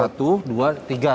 satu dua tiga